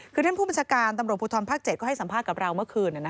คือท่านผู้บัญชาการตำรวจภูทรภาค๗ก็ให้สัมภาษณ์กับเราเมื่อคืน